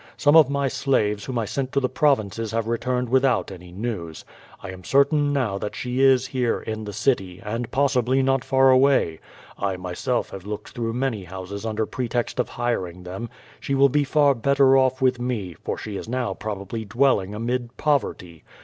Some of my slaves whom I sent to the provinces have returned without any news. I am certain now that she is here in the citv, and possibly not far away. I myself have looked through many houses under pretext of hiring them. She will be far better off with me, for she is now probably dwelling amid poverty.